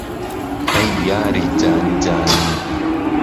ئهی یاری جانیجانی